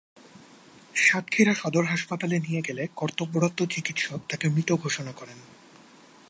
সাতক্ষীরা সদর হাসপাতালে নিয়ে গেলে কর্তব্যরত চিকিৎসক তাঁকে মৃত ঘোষণা করেন।